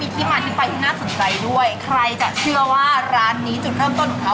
ใครจะเชื่อว่าร้านนี้จุดเริ่มต้นของเขา